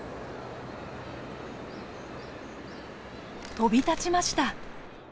飛び立ちました。